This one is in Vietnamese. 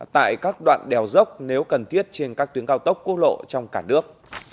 tại các đoạn đèo dốc nếu cần thiết trên các tuyến cao tốc quốc lộ trong cả nước